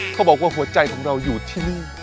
เขาบอกว่าหัวใจของเราอยู่ที่นี่